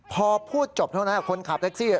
พอพูดจบเท่านั้นคนขับแท็กซี่